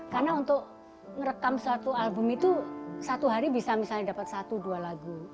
karena untuk ngerekam satu album itu satu hari bisa misalnya dapat satu dua lagu